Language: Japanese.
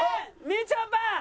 みちょぱ。